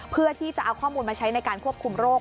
เพื่อที่จะเอาข้อมูลมาใช้ในการควบคุมโรค